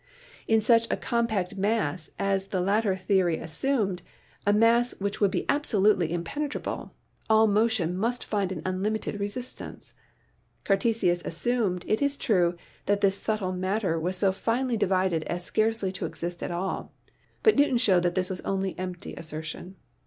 In such a compact mass as the latter theory as sumed, a mass which would be absolutely impenetrable, all motion must find an unlimited resistance. Cartesius as sumed, it is true, that this subtle material was so finely divided as scarcely to exist at all, but Newton showed that this was only empty assertion.